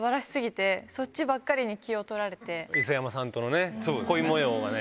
磯山さんとの恋模様がね